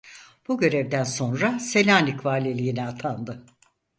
Bu görevden sonra Selanik Valiliğine atandı.